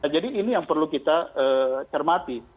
jadi ini yang perlu kita cermati